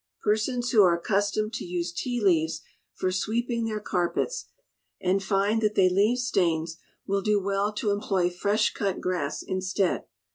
Persons who are accustomed to use tea leaves for sweeping their carpets, and find that they leave stains, will do well to employ fresh cut grass instead.